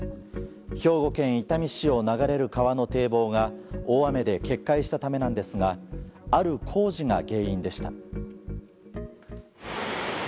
兵庫県伊丹市を流れる川の堤防が大雨で決壊したためなんですがある工事が原因でした。